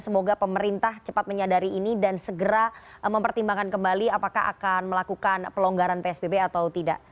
semoga pemerintah cepat menyadari ini dan segera mempertimbangkan kembali apakah akan melakukan pelonggaran psbb atau tidak